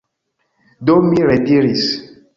Do mi rediris